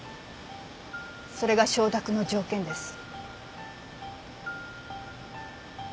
それが承諾の条件です。